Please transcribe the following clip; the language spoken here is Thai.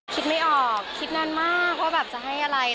คิดไม่ออกคิดนานมากว่าแบบจะให้อะไร